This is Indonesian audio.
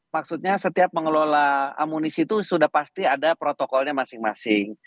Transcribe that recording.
maksudnya setiap mengelola amunisi itu sudah pasti ada protokolnya masing masing